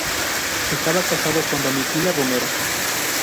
Estaba casado con Domitila Romero.